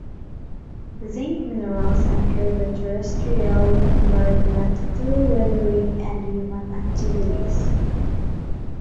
Zinc minerals enter the terrestrial environment through weathering and human activities.